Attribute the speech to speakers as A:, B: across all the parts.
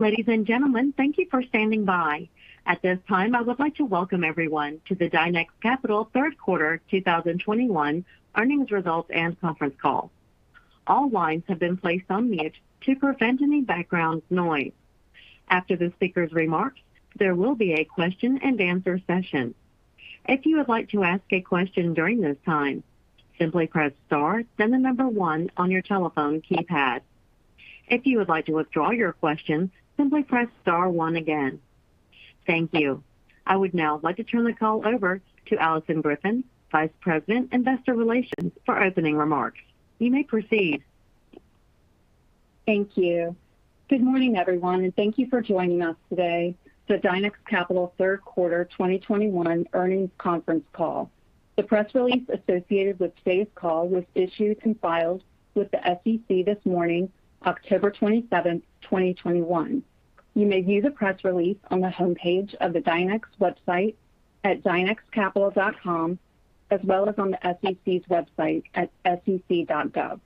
A: Ladies and gentlemen, thank you for standing by. At this time, I would like to welcome everyone to the Dynex Capital third quarter 2021 earnings results and conference call. All lines have been placed on mute to prevent any background noise. After the speaker's remarks, there will be a question-and-answer session. If you would like to ask a question during this time, simply press star then the number one on your telephone keypad. If you would like to withdraw your question, simply press star one again. Thank you. I would now like to turn the call over to Alison Griffin, Vice President, Investor Relations, for opening remarks. You may proceed.
B: Thank you. Good morning, everyone, and thank you for joining us today for Dynex Capital third quarter 2021 earnings conference call. The press release associated with today's call was issued and filed with the SEC this morning, October 27th, 2021. You may view the press release on the homepage of the Dynex website at dynexcapital.com, as well as on the SEC's website at sec.gov.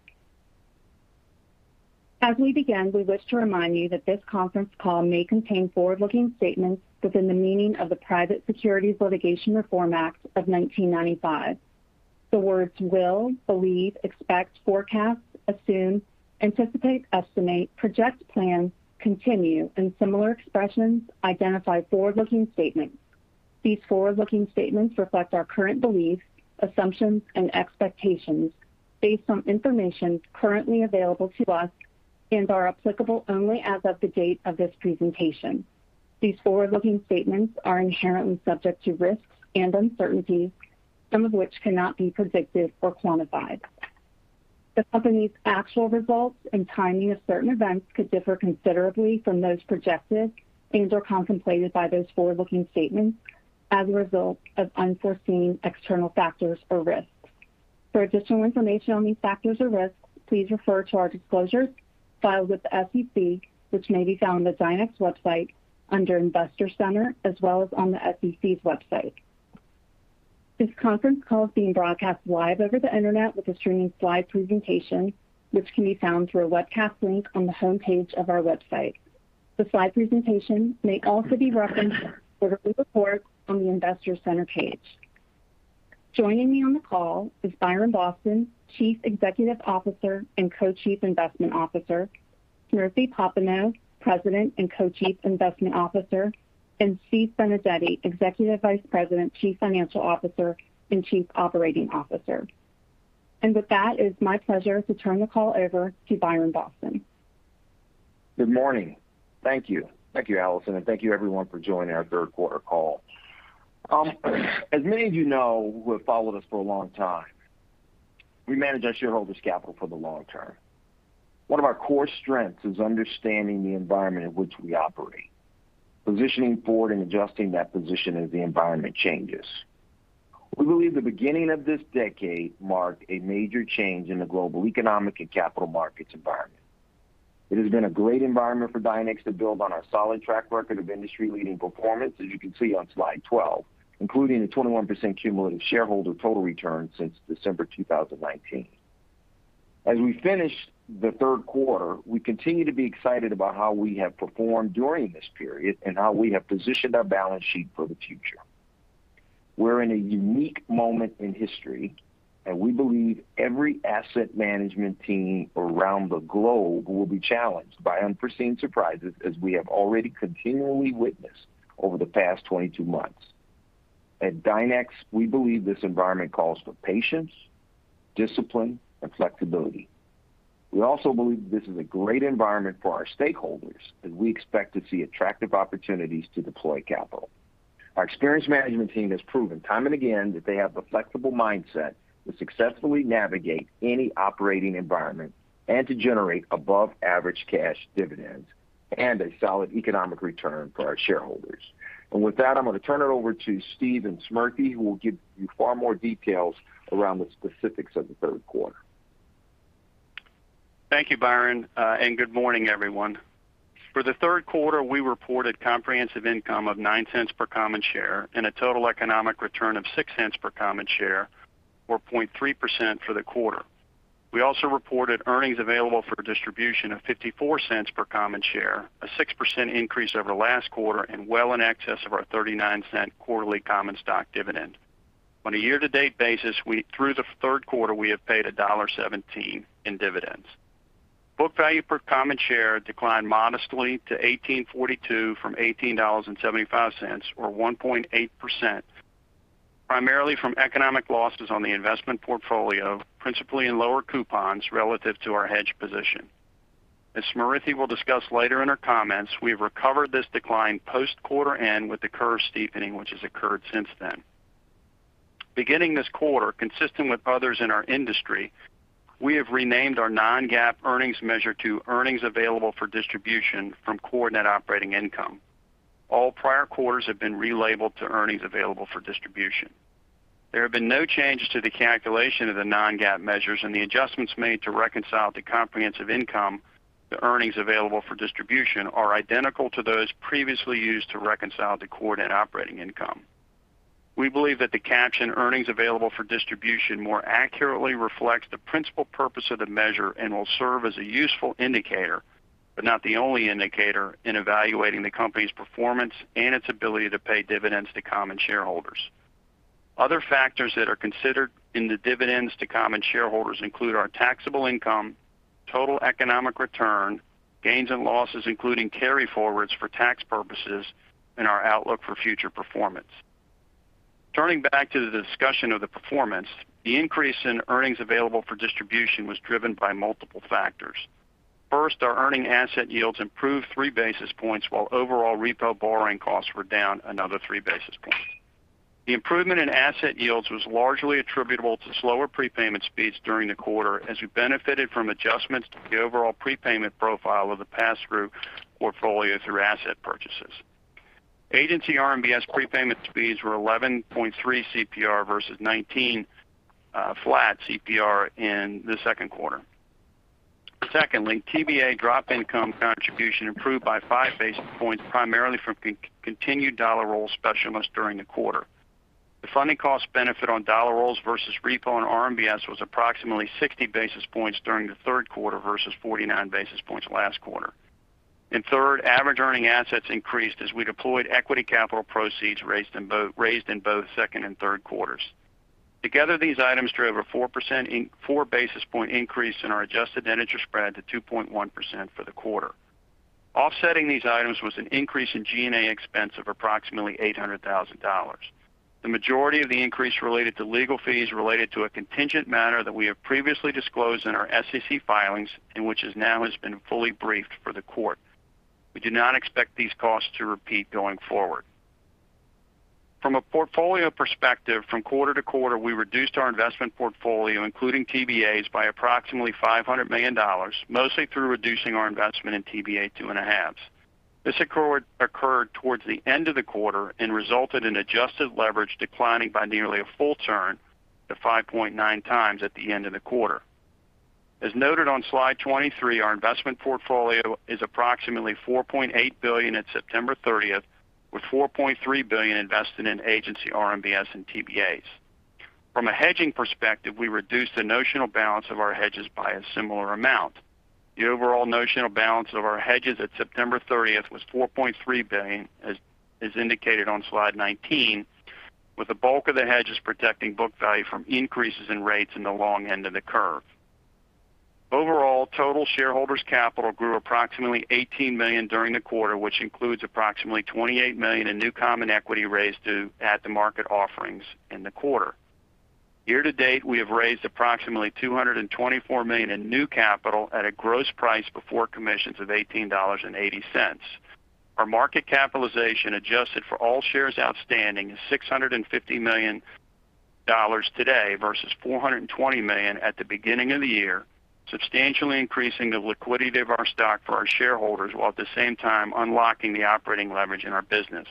B: As we begin, we wish to remind you that this conference call may contain forward-looking statements within the meaning of the Private Securities Litigation Reform Act of 1995. The words will, believe, expect, forecast, assume, anticipate, estimate, project, plan, continue and similar expressions identify forward-looking statements. These forward-looking statements reflect our current beliefs, assumptions and expectations based on information currently available to us and are applicable only as of the date of this presentation. These forward-looking statements are inherently subject to risks and uncertainties, some of which cannot be predicted or quantified. The company's actual results and timing of certain events could differ considerably from those projected or contemplated by those forward-looking statements as a result of unforeseen external factors or risks. For additional information on these factors or risks, please refer to our disclosures filed with the SEC, which may be found on the Dynex website under Investor Center as well as on the SEC's website. This conference call is being broadcast live over the internet with a streaming slide presentation, which can be found through a webcast link on the homepage of our website. The slide presentation may also be referenced for the report on the Investor Center page. Joining me on the call is Byron Boston, Chief Executive Officer and Co-Chief Investment Officer, Smriti Popenoe, President and Co-Chief Investment Officer, and Steve Benedetti, Executive Vice President, Chief Financial Officer and Chief Operating Officer. With that, it's my pleasure to turn the call over to Byron Boston.
C: Good morning. Thank you. Thank you, Alison, and thank you everyone for joining our third quarter call. As many of you know who have followed us for a long time, we manage our shareholders capital for the long term. One of our core strengths is understanding the environment in which we operate, positioning forward and adjusting that position as the environment changes. We believe the beginning of this decade marked a major change in the global economic and capital markets environment. It has been a great environment for Dynex to build on our solid track record of industry-leading performance, as you can see on slide 12, including the 21% cumulative shareholder total return since December 2019. As we finish the third quarter, we continue to be excited about how we have performed during this period and how we have positioned our balance sheet for the future. We're in a unique moment in history, and we believe every asset management team around the globe will be challenged by unforeseen surprises as we have already continually witnessed over the past 22 months. At Dynex, we believe this environment calls for patience, discipline and flexibility. We also believe this is a great environment for our stakeholders, and we expect to see attractive opportunities to deploy capital. Our experienced management team has proven time and again that they have the flexible mindset to successfully navigate any operating environment and to generate above average cash dividends and a solid economic return for our shareholders. With that, I'm going to turn it over to Steve and Smriti, who will give you far more details around the specifics of the third quarter.
D: Thank you, Byron, and good morning, everyone. For the third quarter, we reported comprehensive income of $0.09 per common share and a total economic return of $0.06 per common share, or 0.3% for the quarter. We also reported earnings available for distribution of $0.54 per common share, a 6% increase over last quarter and well in excess of our $0.39 quarterly common stock dividend. On a year-to-date basis, through the third quarter, we have paid $1.17 in dividends. Book value per common share declined modestly to $18.42 from $18.75, or 1.8%, primarily from economic losses on the investment portfolio, principally in lower coupons relative to our hedge position. As Smriti will discuss later in her comments, we've recovered this decline post quarter end with the curve steepening which has occurred since then. Beginning this quarter, consistent with others in our industry, we have renamed our non-GAAP earnings measure to earnings available for distribution from core net operating income. All prior quarters have been relabeled to earnings available for distribution. There have been no changes to the calculation of the non-GAAP measures, and the adjustments made to reconcile the comprehensive income to earnings available for distribution are identical to those previously used to reconcile the core net operating income. We believe that the caption earnings available for distribution more accurately reflects the principal purpose of the measure and will serve as a useful indicator, but not the only indicator in evaluating the company's performance and its ability to pay dividends to common shareholders. Other factors that are considered in the dividends to common shareholders include our taxable income, total economic return, gains and losses, including carryforwards for tax purposes, and our outlook for future performance. Turning back to the discussion of the performance, the increase in earnings available for distribution was driven by multiple factors. First, our earning asset yields improved 3 basis points, while overall repo borrowing costs were down another 3 basis points. The improvement in asset yields was largely attributable to slower prepayment speeds during the quarter as we benefited from adjustments to the overall prepayment profile of the passthrough portfolio through asset purchases. Agency RMBS prepayment speeds were 11.3 CPR versus 19 CPR in the second quarter. Secondly, TBA drop income contribution improved by 5 basis points, primarily from continued dollar roll specials during the quarter. The funding cost benefit on dollar rolls versus repo and RMBS was approximately 60 basis points during the third quarter versus 49 basis points last quarter. Third, average earning assets increased as we deployed equity capital proceeds raised in both second and third quarters. Together, these items drove a 4 basis point increase in our adjusted net interest spread to 2.1% for the quarter. Offsetting these items was an increase in G&A expense of approximately $800,000. The majority of the increase related to legal fees related to a contingent matter that we have previously disclosed in our SEC filings and which has now been fully briefed for the court. We do not expect these costs to repeat going forward. From a portfolio perspective, from quarter to quarter, we reduced our investment portfolio, including TBAs by approximately $500 million, mostly through reducing our investment in TBA 2.5s. This occurred towards the end of the quarter and resulted in adjusted leverage declining by nearly a full turn to 5.9x at the end of the quarter. As noted on slide 23, our investment portfolio is approximately $4.8 billion at September 30th, with $4.3 billion invested in agency RMBS and TBAs. From a hedging perspective, we reduced the notional balance of our hedges by a similar amount. The overall notional balance of our hedges at September 30th was $4.3 billion, as indicated on slide 19, with the bulk of the hedges protecting book value from increases in rates in the long end of the curve. Overall, total shareholders capital grew approximately $18 million during the quarter, which includes approximately $28 million in new common equity raised through at the market offerings in the quarter. Year to date, we have raised approximately $224 million in new capital at a gross price before commissions of $18.80. Our market capitalization, adjusted for all shares outstanding, is $650 million today versus $420 million at the beginning of the year, substantially increasing the liquidity of our stock for our shareholders, while at the same time unlocking the operating leverage in our business.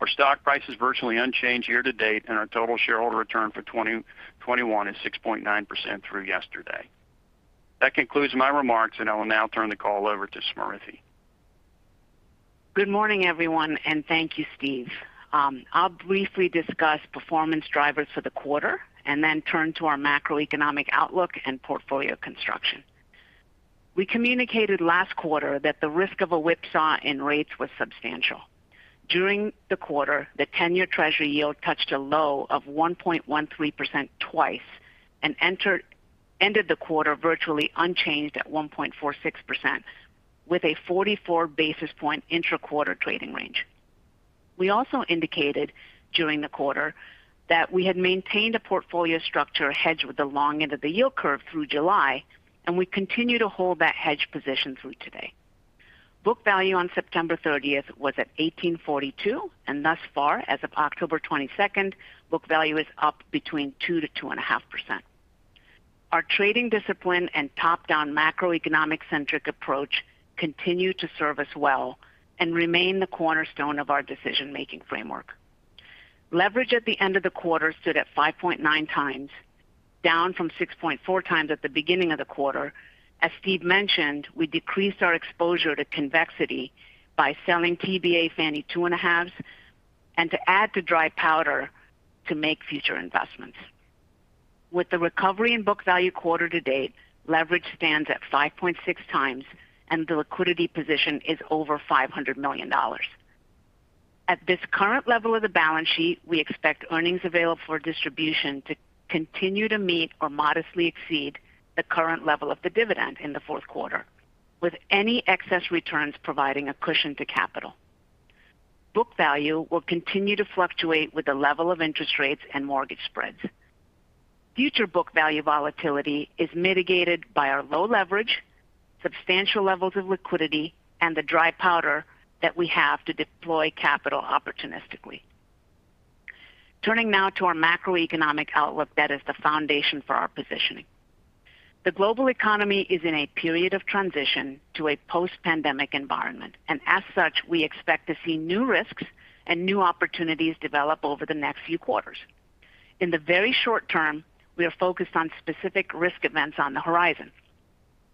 D: Our stock price is virtually unchanged year to date, and our total shareholder return for 2021 is 6.9% through yesterday. That concludes my remarks, and I will now turn the call over to Smriti.
E: Good morning, everyone, and thank you, Steve. I'll briefly discuss performance drivers for the quarter and then turn to our macroeconomic outlook and portfolio construction. We communicated last quarter that the risk of a whipsaw in rates was substantial. During the quarter, the 10-year Treasury yield touched a low of 1.13% twice and ended the quarter virtually unchanged at 1.46% with a 44 basis point intra-quarter trading range. We also indicated during the quarter that we had maintained a portfolio structure hedge with the long end of the yield curve through July, and we continue to hold that hedge position through today. Book value on September 30th was at $18.42, and thus far as of October 22nd, book value is up between 2% to 2.5%. Our trading discipline and top-down macroeconomic-centric approach continue to serve us well and remain the cornerstone of our decision-making framework. Leverage at the end of the quarter stood at 5.9x, down from 6.4x at the beginning of the quarter. As Steve mentioned, we decreased our exposure to convexity by selling TBA Fannie 2.5s to add to dry powder to make future investments. With the recovery in book value quarter to date, leverage stands at 5.6x and the liquidity position is over $500 million. At this current level of the balance sheet, we expect earnings available for distribution to continue to meet or modestly exceed the current level of the dividend in the fourth quarter, with any excess returns providing a cushion to capital. Book value will continue to fluctuate with the level of interest rates and mortgage spreads. Future book value volatility is mitigated by our low leverage, substantial levels of liquidity, and the dry powder that we have to deploy capital opportunistically. Turning now to our macroeconomic outlook that is the foundation for our positioning. The global economy is in a period of transition to a post-pandemic environment, and as such, we expect to see new risks and new opportunities develop over the next few quarters. In the very short term, we are focused on specific risk events on the horizon.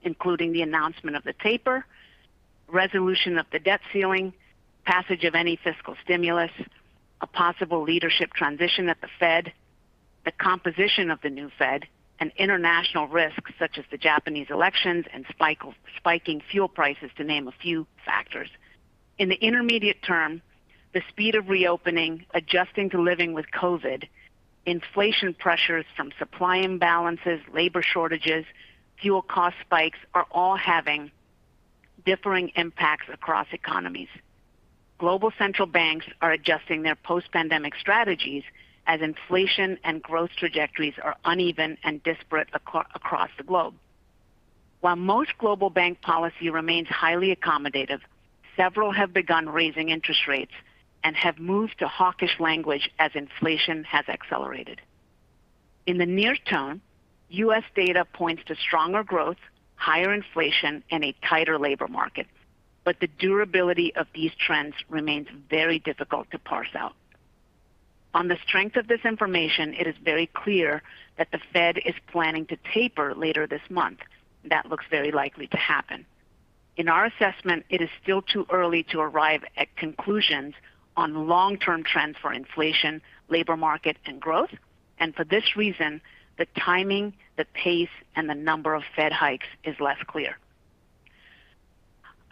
E: Including the announcement of the taper, resolution of the debt ceiling, passage of any fiscal stimulus, a possible leadership transition at the Fed, the composition of the new Fed, and international risks such as the Japanese elections and spiking fuel prices, to name a few factors. In the intermediate term, the speed of reopening, adjusting to living with COVID, inflation pressures from supply imbalances, labor shortages, fuel cost spikes are all having differing impacts across economies. Global central banks are adjusting their post-pandemic strategies as inflation and growth trajectories are uneven and disparate across the globe. While most global bank policy remains highly accommodative, several have begun raising interest rates and have moved to hawkish language as inflation has accelerated. In the near term, U.S. data points to stronger growth, higher inflation, and a tighter labor market. The durability of these trends remains very difficult to parse out. On the strength of this information, it is very clear that the Fed is planning to taper later this month. That looks very likely to happen. In our assessment, it is still too early to arrive at conclusions on long-term trends for inflation, labor market, and growth. For this reason, the timing, the pace, and the number of Fed hikes is less clear.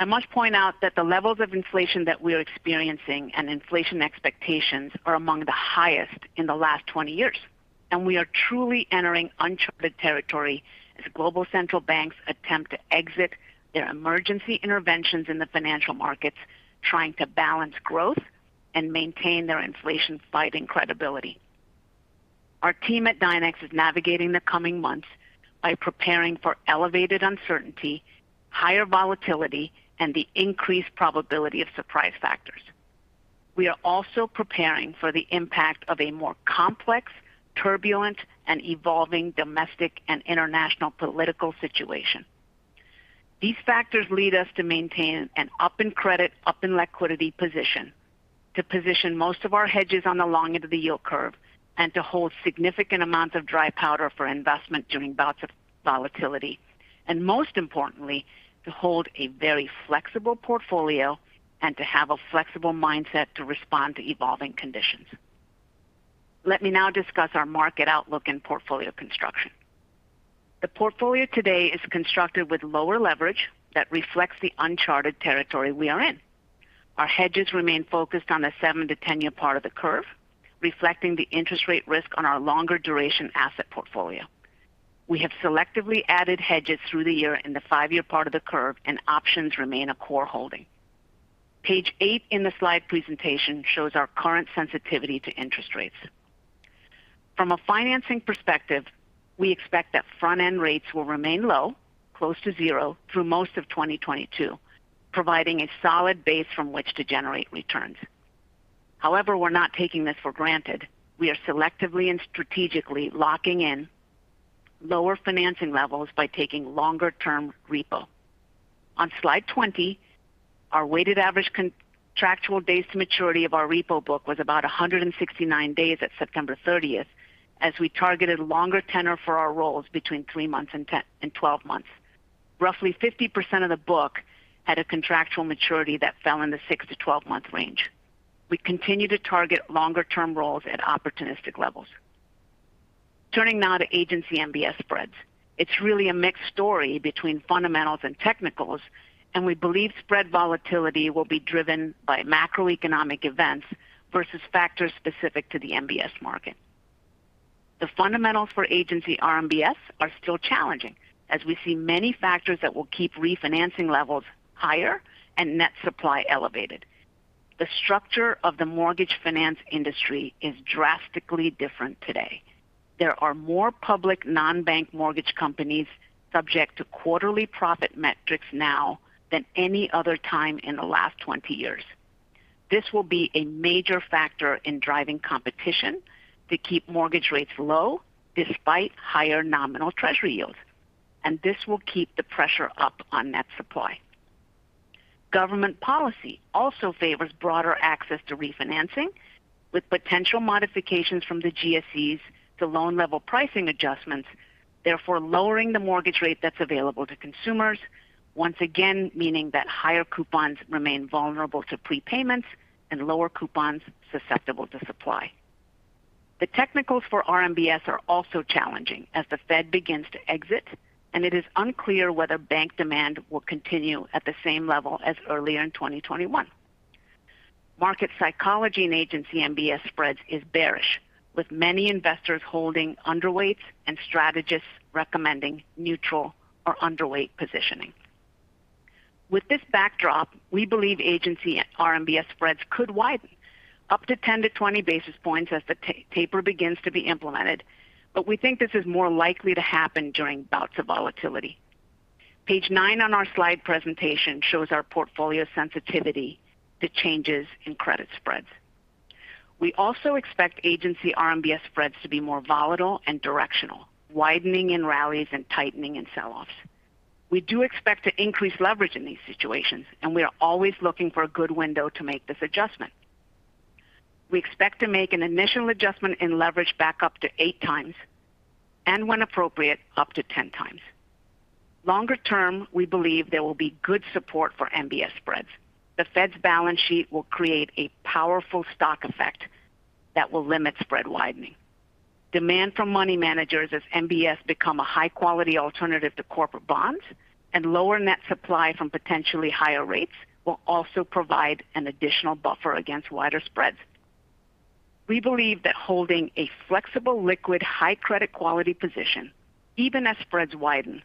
E: I must point out that the levels of inflation that we are experiencing and inflation expectations are among the highest in the last 20 years, and we are truly entering uncharted territory as global central banks attempt to exit their emergency interventions in the financial markets, trying to balance growth and maintain their inflation-fighting credibility. Our team at Dynex is navigating the coming months by preparing for elevated uncertainty, higher volatility, and the increased probability of surprise factors. We are also preparing for the impact of a more complex, turbulent, and evolving domestic and international political situation. These factors lead us to maintain an up in credit, up in liquidity position. To position most of our hedges on the long end of the yield curve and to hold significant amounts of dry powder for investment during bouts of volatility, and most importantly, to hold a very flexible portfolio and to have a flexible mindset to respond to evolving conditions. Let me now discuss our market outlook and portfolio construction. The portfolio today is constructed with lower leverage that reflects the uncharted territory we are in. Our hedges remain focused on the seven to 10 year part of the curve, reflecting the interest rate risk on our longer duration asset portfolio. We have selectively added hedges through the year in the five-year part of the curve, and options remain a core holding. Page 8 in the slide presentation shows our current sensitivity to interest rates. From a financing perspective, we expect that front-end rates will remain low, close to zero through most of 2022, providing a solid base from which to generate returns. However, we're not taking this for granted. We are selectively and strategically locking in lower financing levels by taking longer term repo. On slide 20, our weighted average contractual days to maturity of our repo book was about 169 days at September 30th, as we targeted longer tenor for our rolls between 3 months and 12 months. Roughly 50% of the book had a contractual maturity that fell in the six to 12-month range. We continue to target longer term rolls at opportunistic levels. Turning now to agency MBS spreads. It's really a mixed story between fundamentals and technicals, and we believe spread volatility will be driven by macroeconomic events versus factors specific to the MBS market. The fundamentals for Agency RMBS are still challenging, as we see many factors that will keep refinancing levels higher and net supply elevated. The structure of the mortgage finance industry is drastically different today. There are more public non-bank mortgage companies subject to quarterly profit metrics now than any other time in the last 20 years. This will be a major factor in driving competition to keep mortgage rates low despite higher nominal Treasury yields, and this will keep the pressure up on net supply. Government policy also favors broader access to refinancing, with potential modifications from the GSEs to loan level pricing adjustments, therefore lowering the mortgage rate that's available to consumers. Once again, meaning that higher coupons remain vulnerable to prepayments and lower coupons susceptible to supply. The technicals for RMBS are also challenging as the Fed begins to exit, and it is unclear whether bank demand will continue at the same level as earlier in 2021. Market psychology in agency MBS spreads is bearish, with many investors holding underweights and strategists recommending neutral or underweight positioning. With this backdrop, we believe agency RMBS spreads could widen up to 10-20 basis points as the taper begins to be implemented. We think this is more likely to happen during bouts of volatility. Page 9 on our slide presentation shows our portfolio sensitivity to changes in credit spreads. We also expect agency RMBS spreads to be more volatile and directional, widening in rallies and tightening in sell-offs. We do expect to increase leverage in these situations, and we are always looking for a good window to make this adjustment. We expect to make an initial adjustment in leverage back up to eight times and when appropriate, up to 10x. Longer term, we believe there will be good support for MBS spreads. The Fed's balance sheet will create a powerful stock effect that will limit spread widening. Demand from money managers as MBS become a high quality alternative to corporate bonds and lower net supply from potentially higher rates will also provide an additional buffer against wider spreads. We believe that holding a flexible, liquid, high credit quality position, even as spreads widen,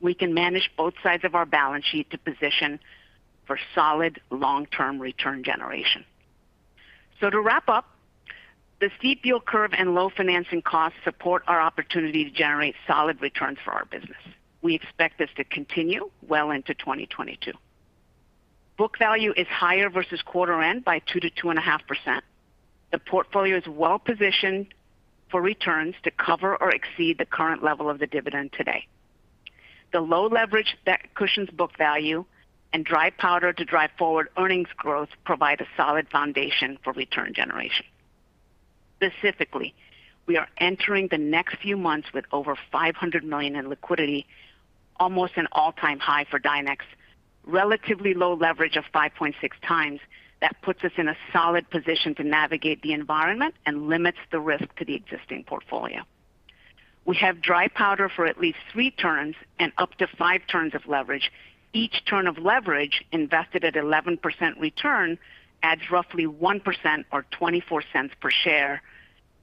E: we can manage both sides of our balance sheet to position for solid long-term return generation. To wrap up, the steep yield curve and low financing costs support our opportunity to generate solid returns for our business. We expect this to continue well into 2022. Book value is higher versus quarter end by 2%-2.5%. The portfolio is well positioned for returns to cover or exceed the current level of the dividend today. The low leverage that cushions book value and dry powder to drive forward earnings growth provide a solid foundation for return generation. Specifically, we are entering the next few months with over $500 million in liquidity, almost an all-time high for Dynex. Relatively low leverage of 5.6x. That puts us in a solid position to navigate the environment and limits the risk to the existing portfolio. We have dry powder for at least three turns and up to five turns of leverage. Each turn of leverage invested at 11% return adds roughly 1% or $0.24 per share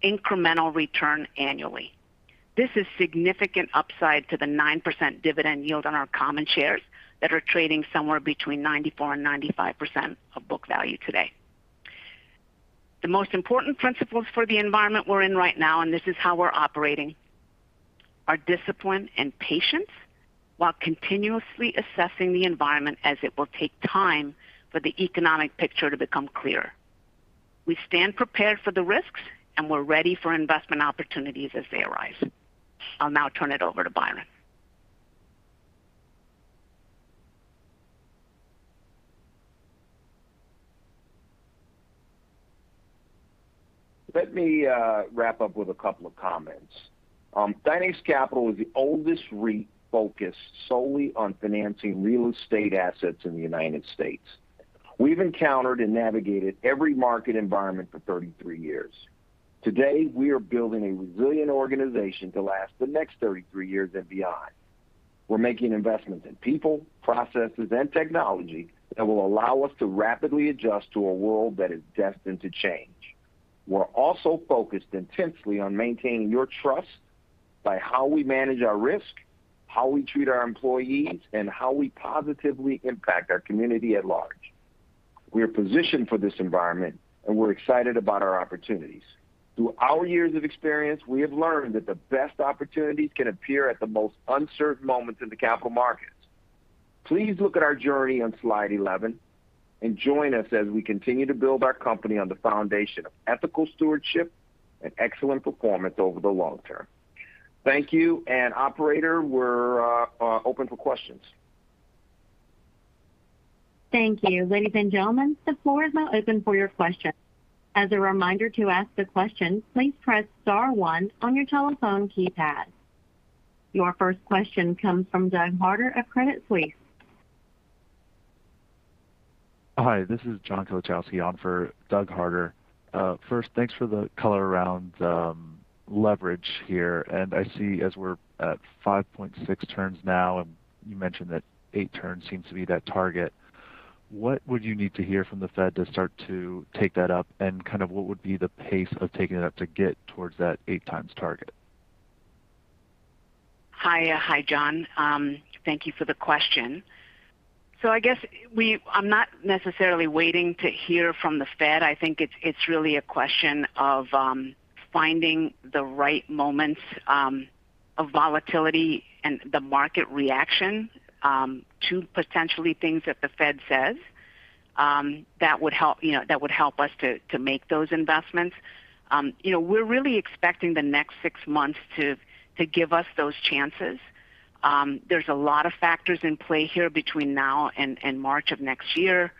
E: incremental return annually. This is significant upside to the 9% dividend yield on our common shares that are trading somewhere between 94%-95% of book value today. The most important principles for the environment we're in right now, and this is how we're operating, are discipline and patience while continuously assessing the environment as it will take time for the economic picture to become clearer. We stand prepared for the risks, and we're ready for investment opportunities as they arise. I'll now turn it over to Byron Boston.
C: Let me wrap up with a couple of comments. Dynex Capital is the oldest REIT focused solely on financing real estate assets in the United States. We've encountered and navigated every market environment for 33 years. Today, we are building a resilient organization to last the next 33 years and beyond. We're making investments in people, processes and technology that will allow us to rapidly adjust to a world that is destined to change. We're also focused intensely on maintaining your trust by how we manage our risk, how we treat our employees, and how we positively impact our community at large. We are positioned for this environment and we're excited about our opportunities. Through our years of experience, we have learned that the best opportunities can appear at the most uncertain moments in the capital markets. Please look at our journey on slide 11 and join us as we continue to build our company on the foundation of ethical stewardship and excellent performance over the long term. Thank you. Operator, we're open for questions.
A: Thank you. Ladies and gentlemen, the floor is now open for your questions. As a reminder to ask the question, please press star one on your telephone keypad. Your first question comes from Douglas Harter of Credit Suisse.
F: Hi, this is John Kilichowski on for Doug Harter. First, thanks for the color around leverage here. I see as we're at 5.6 turns now, and you mentioned that eight turns seems to be that target. What would you need to hear from the Fed to start to take that up? Kind of what would be the pace of taking it up to get towards that eight times target?
E: Hi. Hi, John. Thank you for the question. I'm not necessarily waiting to hear from the Fed. I think it's really a question of finding the right moments of volatility and the market reaction to potentially things that the Fed says that would help you know that would help us to make those investments. You know, we're really expecting the next six months to give us those chances. There's a lot of factors in play here between now and March of next year.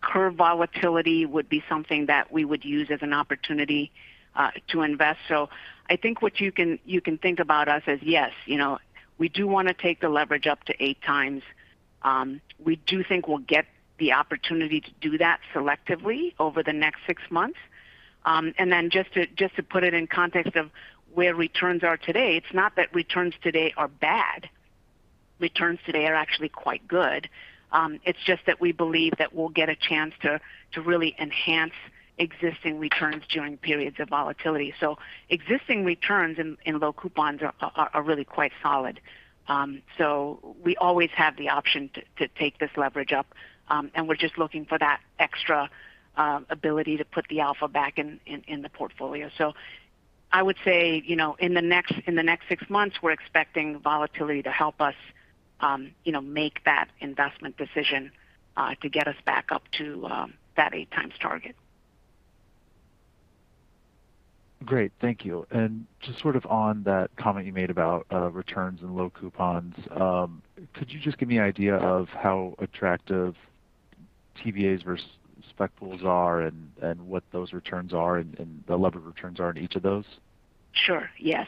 E: Curve volatility would be something that we would use as an opportunity to invest. I think what you can think about us is, yes, you know, we do want to take the leverage up to eight times. We do think we'll get the opportunity to do that selectively over the next six months. Just to put it in context of where returns are today, it's not that returns today are bad. Returns today are actually quite good. It's just that we believe that we'll get a chance to really enhance existing returns during periods of volatility. Existing returns in low coupons are really quite solid. We always have the option to take this leverage up. We're just looking for that extra ability to put the alpha back in the portfolio. I would say, you know, in the next six months, we're expecting volatility to help us, you know, make that investment decision, to get us back up to that eight times target.
F: Great. Thank you. Just sort of on that comment you made about returns and low coupons, could you just give me an idea of how attractive TBAs versus Spec pools are and what those returns are and the level of returns are in each of those?
E: Sure, yes.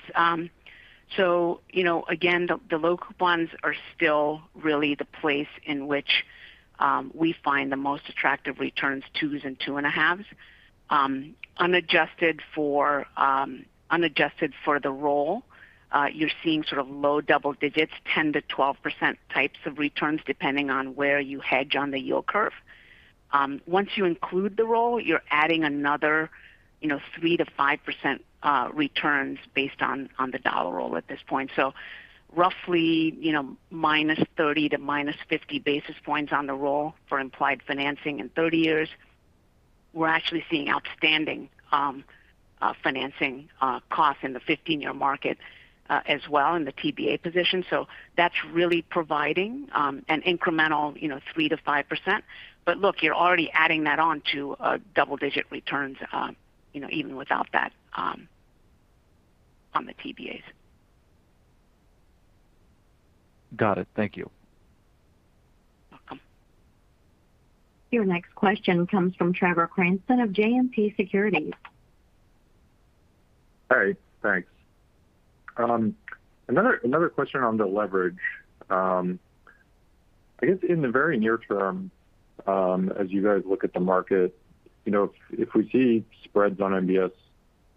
E: You know, again, the low coupons are still really the place in which we find the most attractive returns, twos and 2.5s. Unadjusted for the roll, you're seeing sort of low double digits, 10%-12% types of returns depending on where you hedge on the yield curve. Once you include the roll, you're adding another, you know, 3%-5% returns based on the dollar roll at this point. Roughly, you know, -30 to -50 basis points on the roll for implied financing in 30-year. We're actually seeing outstanding financing costs in the 15-year market, as well in the TBA position. That's really providing an incremental, you know, 3%-5%. Look, you're already adding that on to double-digit returns, you know, even without that, on the TBAs.
G: Got it. Thank you.
E: Welcome.
A: Your next question comes from Trevor Cranston of JMP Securities.
H: Hi. Thanks. Another question on the leverage. I guess in the very near term, as you guys look at the market, you know, if we see spreads on MBS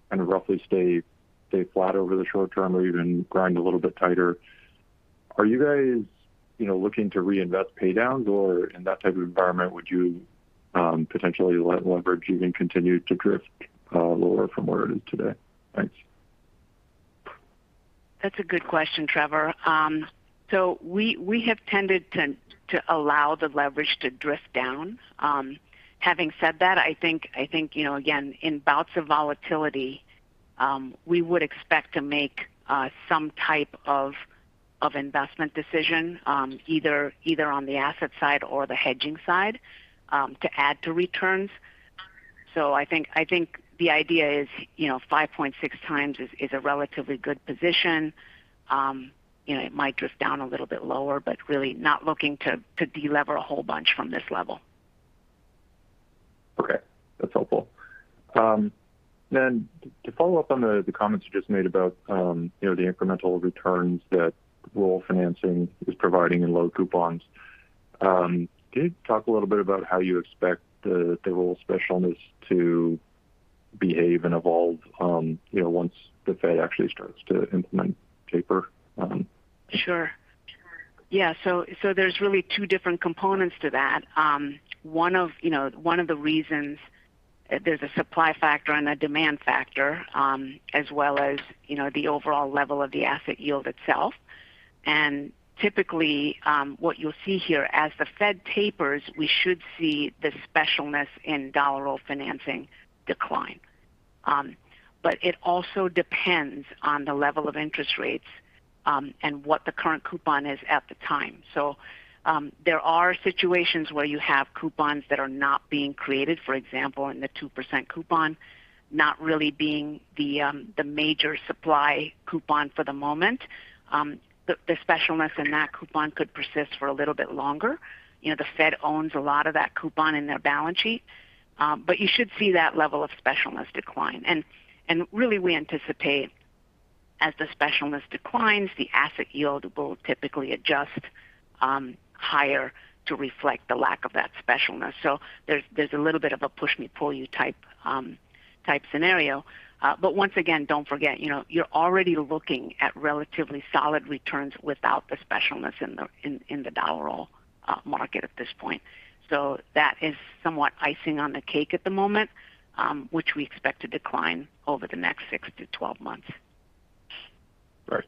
H: kind of roughly stay flat over the short term or even grind a little bit tighter, are you guys, you know, looking to reinvest pay downs, or in that type of environment, would you potentially let leverage even continue to drift lower from where it is today? Thanks.
E: That's a good question, Trevor. So we have tended to allow the leverage to drift down. Having said that, I think you know, again, in bouts of volatility, we would expect to make some type of investment decision, either on the asset side or the hedging side, to add to returns. So I think the idea is, you know, 5.6x is a relatively good position. You know, it might drift down a little bit lower, but really not looking to delever a whole bunch from this level.
H: Okay. That's helpful. To follow up on the comments you just made about, you know, the incremental returns that roll financing is providing in low coupons, can you talk a little bit about how you expect the roll specialness to behave and evolve, you know, once the Fed actually starts to implement taper?
E: Sure. Yeah. There's really two different components to that. One of the reasons there's a supply factor and a demand factor, as well as, you know, the overall level of the asset yield itself. Typically, what you'll see here, as the Fed tapers, we should see the specialness in dollar roll financing decline. It also depends on the level of interest rates, and what the current coupon is at the time. There are situations where you have coupons that are not being created, for example, in the 2% coupon, not really being the major supply coupon for the moment. The specialness in that coupon could persist for a little bit longer. You know, the Fed owns a lot of that coupon in their balance sheet. You should see that level of specialness decline. Really we anticipate as the specialness declines, the asset yield will typically adjust higher to reflect the lack of that specialness. There's a little bit of a push me, pull you type scenario. Once again, don't forget, you know, you're already looking at relatively solid returns without the specialness in the dollar roll market at this point. That is somewhat icing on the cake at the moment, which we expect to decline over the next six to12 months.
H: Right.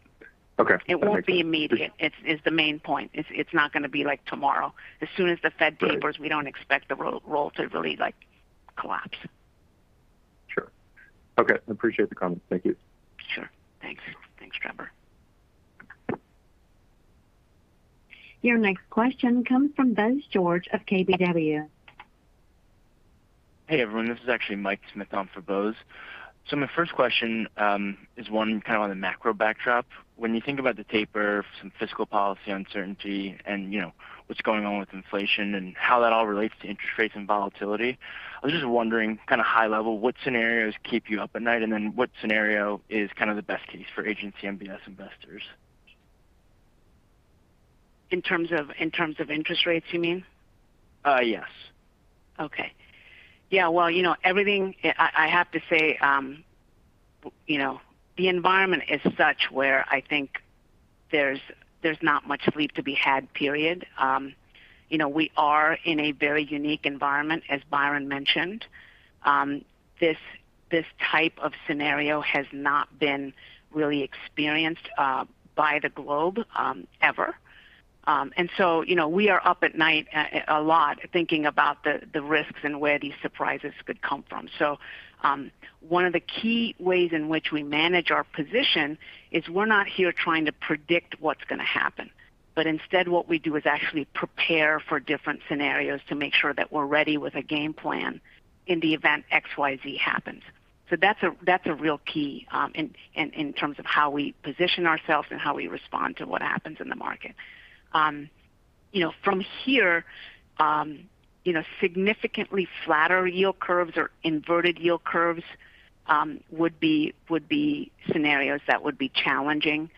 H: Okay.
E: It won't be immediate, is the main point. It's not going to be like tomorrow. As soon as the Fed tapers-
H: Right.
E: We don't expect the dollar roll to really, like, collapse.
H: Sure. Okay. I appreciate the comment. Thank you.
E: Sure. Thanks. Thanks, Trevor.
A: Your next question comes from Bose George of KBW.
G: Hey, everyone, this is actually Mike Smith on for Bose. My first question is one kind of on the macro backdrop. When you think about the taper, some fiscal policy uncertainty and, you know, what's going on with inflation and how that all relates to interest rates and volatility, I was just wondering kind of high level, what scenarios keep you up at night? What scenario is kind of the best case for agency MBS investors?
E: In terms of interest rates, you mean?
I: Yes.
E: Okay. Yeah, well, you know, I have to say, you know, the environment is such where I think there's not much sleep to be had, period. You know, we are in a very unique environment, as Byron mentioned. This type of scenario has not been really experienced by the globe ever. You know, we are up at night a lot thinking about the risks and where these surprises could come from. One of the key ways in which we manage our position is we're not here trying to predict what's gonna happen, but instead what we do is actually prepare for different scenarios to make sure that we're ready with a game plan in the event X, Y, Z happens. That's a real key in terms of how we position ourselves and how we respond to what happens in the market. You know, from here, you know, significantly flatter yield curves or inverted yield curves would be scenarios that would be challenging,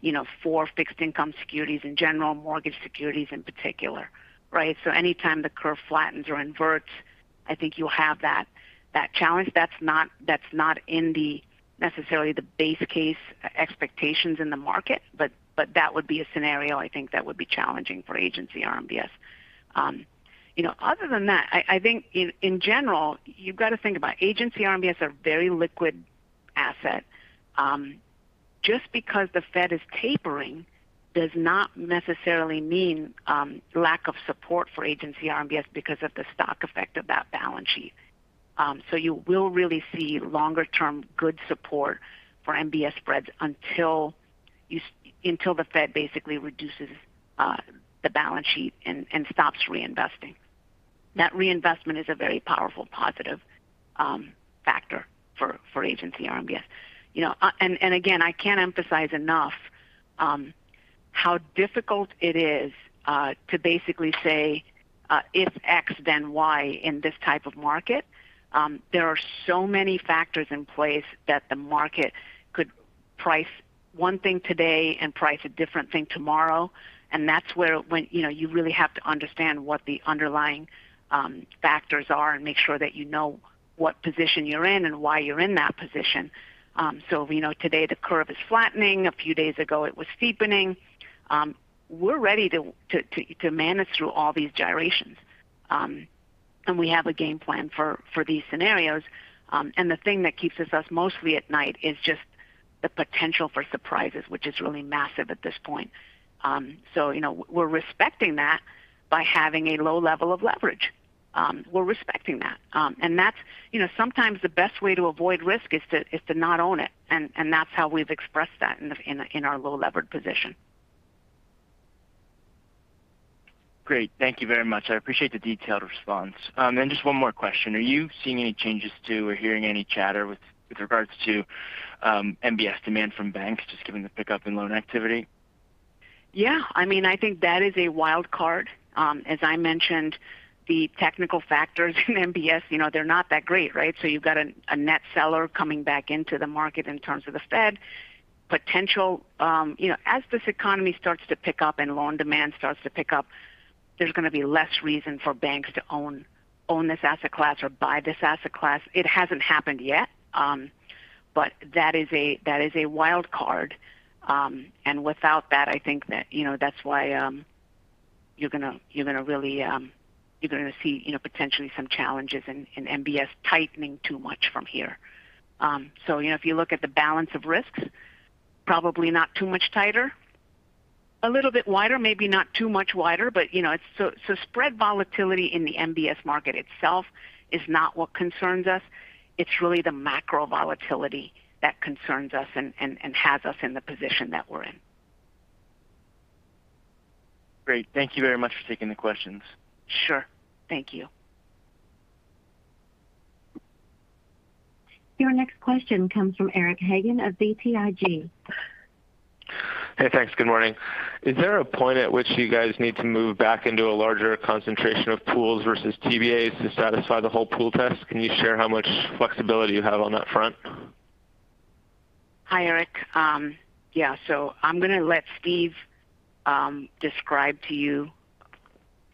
E: you know, for fixed income securities in general, mortgage securities in particular, right? Anytime the curve flattens or inverts, I think you'll have that challenge. That's not necessarily the base case expectations in the market, but that would be a scenario I think that would be challenging for agency RMBS. You know, other than that, I think in general, you've got to think about agency RMBS are very liquid asset. Just because the Fed is tapering does not necessarily mean lack of support for Agency RMBS because of the stock effect of that balance sheet. You will really see longer term good support for MBS spreads until the Fed basically reduces the balance sheet and stops reinvesting. That reinvestment is a very powerful positive factor for Agency RMBS. You know, and again, I can't emphasize enough how difficult it is to basically say if X then Y in this type of market. There are so many factors in place that the market could price one thing today and price a different thing tomorrow. That's where, when, you know, you really have to understand what the underlying factors are and make sure that you know what position you're in and why you're in that position. We know today the curve is flattening. A few days ago, it was steepening. We're ready to manage through all these gyrations. We have a game plan for these scenarios. The thing that keeps us mostly at night is just the potential for surprises, which is really massive at this point. You know, we're respecting that by having a low level of leverage. We're respecting that. That's, you know, sometimes the best way to avoid risk is to not own it. And that's how we've expressed that in our low levered position.
G: Great. Thank you very much. I appreciate the detailed response. Just one more question. Are you seeing any changes to or hearing any chatter with regards to MBS demand from banks just given the pickup in loan activity?
E: Yeah. I mean, I think that is a wild card. As I mentioned, the technical factors in MBS, you know, they're not that great, right? You've got a net seller coming back into the market in terms of the Fed potential. You know, as this economy starts to pick up and loan demand starts to pick up, there's going to be less reason for banks to own this asset class or buy this asset class. It hasn't happened yet, but that is a wild card. Without that, I think that, you know, that's why you're gonna really see, you know, potentially some challenges in MBS tightening too much from here. You know, if you look at the balance of risks, probably not too much tighter. A little bit wider, maybe not too much wider, but, you know, it's so spread volatility in the MBS market itself is not what concerns us. It's really the macro volatility that concerns us and has us in the position that we're in.
G: Great. Thank you very much for taking the questions.
E: Sure. Thank you.
A: Your next question comes from Eric Hagen of BTIG.
J: Hey, thanks. Good morning. Is there a point at which you guys need to move back into a larger concentration of pools versus TBAs to satisfy the whole pool test? Can you share how much flexibility you have on that front?
E: Hi, Eric. Yeah. I'm gonna let Steve describe to you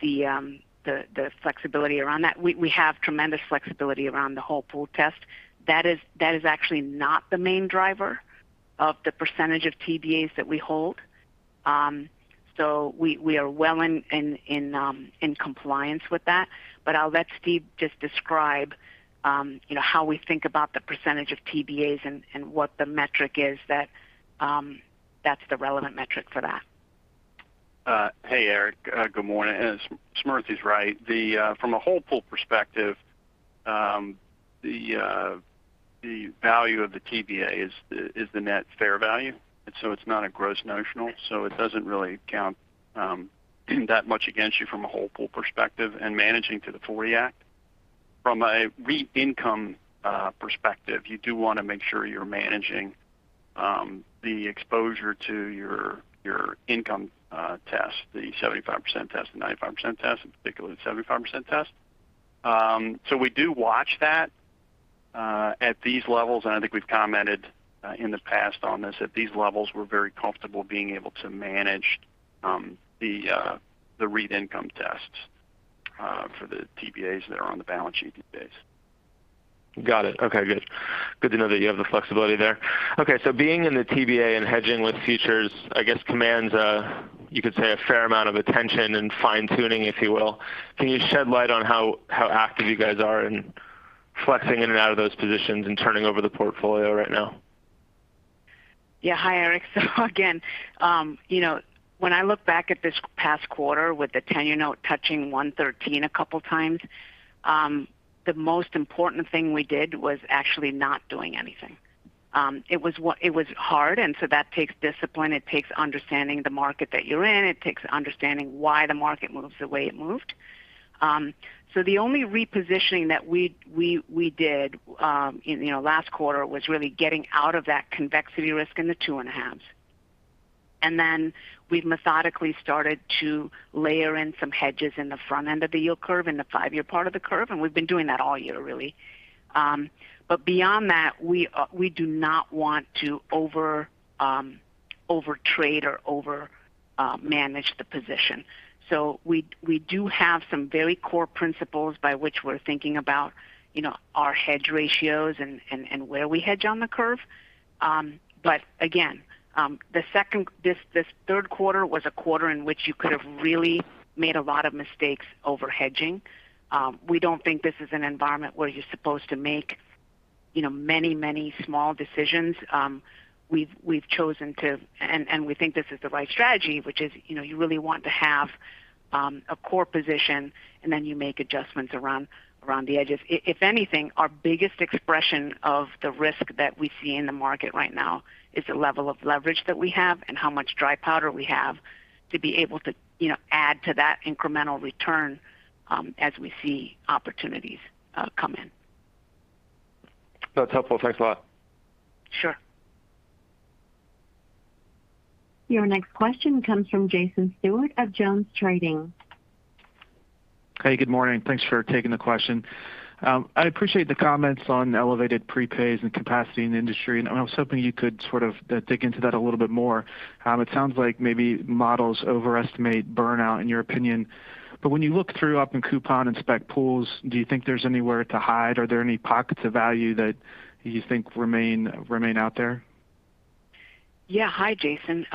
E: the flexibility around that. We have tremendous flexibility around the whole pool test. That is actually not the main driver of the percentage of TBAs that we hold. We are well in compliance with that. I'll let Steve just describe, you know, how we think about the percentage of TBAs and what the metric is that's the relevant metric for that.
D: Hey, Eric, good morning. As Smriti is right, from a whole pool perspective, the value of the TBA is the net fair value. It's not a gross notional, so it doesn't really count that much against you from a whole pool perspective and managing to the '40 Act. From a REIT income perspective, you do want to make sure you're managing the exposure to your income test, the 75% test, the 95% test, in particular, the 75% test. We do watch that at these levels, and I think we've commented in the past on this, at these levels, we're very comfortable being able to manage the REIT income tests for the TBAs that are on the balance sheet these days.
J: Got it. Okay, good. Good to know that you have the flexibility there. Okay, so being in the TBA and hedging with futures, I guess, commands a fair amount of attention and fine-tuning, if you will. Can you shed light on how active you guys are in Flexing in and out of those positions and turning over the portfolio right now.
E: Yeah. Hi, Eric. Again, you know, when I look back at this past quarter with the 10-year note touching 113 a couple times, the most important thing we did was actually not doing anything. It was hard, and that takes discipline. It takes understanding the market that you're in. It takes understanding why the market moves the way it moved. The only repositioning that we did in, you know, last quarter was really getting out of that convexity risk in the 2.5s. We've methodically started to layer in some hedges in the front end of the yield curve, in the five-year part of the curve, and we've been doing that all year, really. Beyond that, we do not want to overtrade or overmanage the position. We have some very core principles by which we're thinking about, you know, our hedge ratios and where we hedge on the curve. Again, this third quarter was a quarter in which you could have really made a lot of mistakes overhedging. We don't think this is an environment where you're supposed to make, you know, many small decisions. We've chosen, and we think this is the right strategy, which is, you know, you really want to have a core position, and then you make adjustments around the edges. If anything, our biggest expression of the risk that we see in the market right now is the level of leverage that we have and how much dry powder we have to be able to, you know, add to that incremental return as we see opportunities come in.
J: That's helpful. Thanks a lot.
E: Sure.
A: Your next question comes from Jason Stewart of Jones Trading.
K: Hey, good morning. Thanks for taking the question. I appreciate the comments on elevated prepayments and capacity in the industry, and I was hoping you could sort of dig into that a little bit more. It sounds like maybe models overestimate burnout in your opinion, but when you look through up-in-coupon and spec pools, do you think there's anywhere to hide? Are there any pockets of value that you think remain out there?
E: Yeah. Hi, Jason.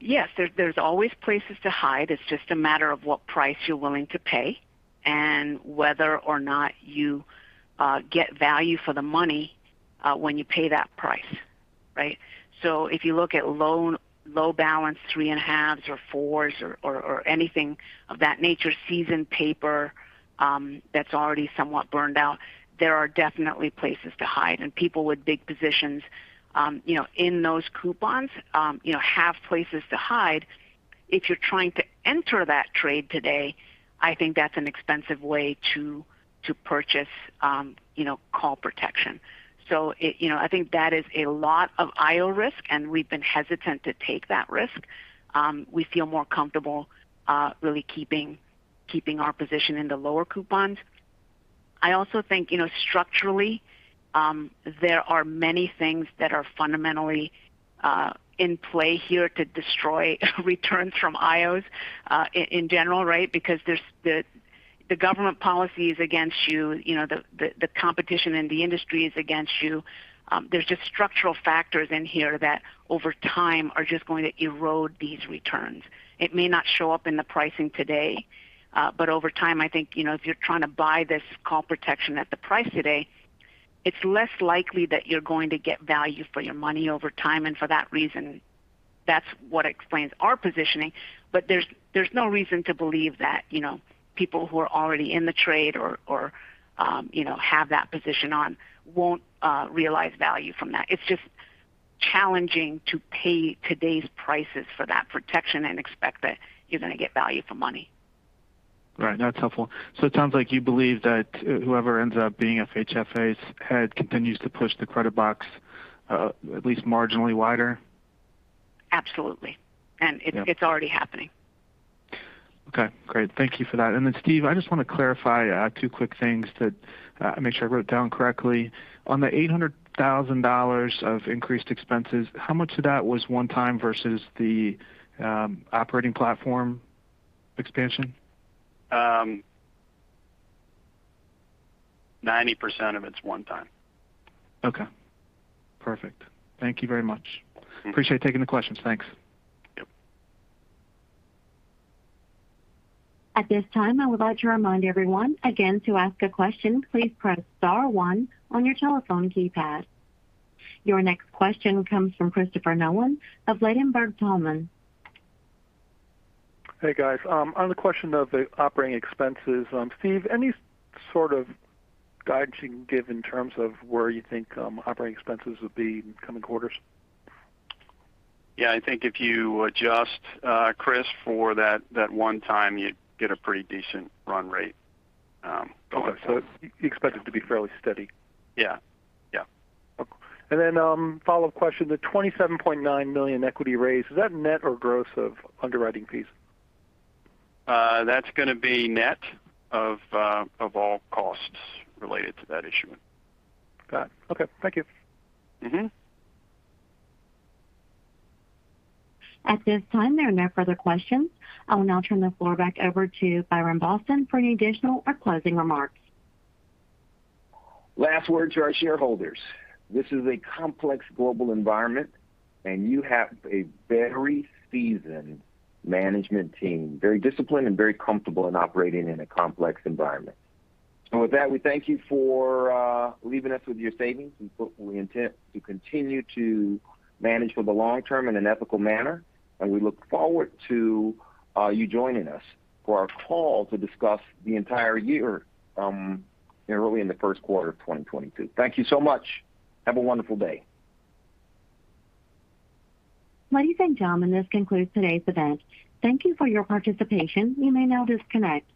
E: Yes, there's always places to hide. It's just a matter of what price you're willing to pay and whether or not you get value for the money when you pay that price, right? If you look at low balance, 3.5s or fours or anything of that nature, seasoned paper that's already somewhat burned out, there are definitely places to hide. People with big positions you know in those coupons you know have places to hide. If you're trying to enter that trade today, I think that's an expensive way to purchase you know call protection. It, you know, I think that is a lot of IO risk, and we've been hesitant to take that risk. We feel more comfortable really keeping our position in the lower coupons. I also think, you know, structurally, there are many things that are fundamentally in play here to destroy returns from IOs in general, right? Because the competition in the industry is against you. There's just structural factors inherent that over time are just going to erode these returns. It may not show up in the pricing today, but over time, I think, you know, if you're trying to buy this call protection at the price today, it's less likely that you're going to get value for your money over time. For that reason, that's what explains our positioning. There's no reason to believe that, you know, people who are already in the trade or, you know, have that position on won't realize value from that. It's just challenging to pay today's prices for that protection and expect that you're gonna get value for money.
K: Right. That's helpful. It sounds like you believe that whoever ends up being FHFA's head continues to push the credit box, at least marginally wider.
E: Absolutely.
K: Yeah.
E: It's already happening.
K: Okay, great. Thank you for that. Steve, I just wanna clarify two quick things to make sure I wrote it down correctly. On the $800,000 of increased expenses, how much of that was one time versus the operating platform expansion?
D: 90% of it's one time.
K: Okay, perfect. Thank you very much.
D: Mm-hmm.
K: Appreciate taking the questions. Thanks.
D: Yep.
A: At this time, I would like to remind everyone, again, to ask a question, please press star one on your telephone keypad. Your next question comes from Christopher Nolan of Ladenburg Thalmann.
L: Hey, guys. On the question of the operating expenses, Steve, any sort of guidance you can give in terms of where you think operating expenses would be in coming quarters?
D: Yeah. I think if you adjust, Chris, for that one time, you'd get a pretty decent run rate.
L: Okay. You expect it to be fairly steady?
D: Yeah. Yeah.
L: Okay. Follow-up question. The $27.9 million equity raise, is that net or gross of underwriting fees?
D: That's gonna be net of all costs related to that issuance.
L: Got it. Okay. Thank you.
D: Mm-hmm.
A: At this time, there are no further questions. I will now turn the floor back over to Byron Boston for any additional or closing remarks.
C: Last word to our shareholders. This is a complex global environment, and you have a very seasoned management team, very disciplined and very comfortable in operating in a complex environment. With that, we thank you for leaving us with your savings, and so we intend to continue to manage for the long term in an ethical manner, and we look forward to you joining us for our call to discuss the entire year, early in the first quarter of 2022. Thank you so much. Have a wonderful day.
A: Ladies and gentlemen, this concludes today's event. Thank you for your participation. You may now disconnect.